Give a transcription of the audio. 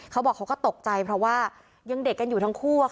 เขาบอกเขาก็ตกใจเพราะว่ายังเด็กกันอยู่ทั้งคู่